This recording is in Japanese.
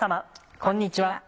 こんにちは。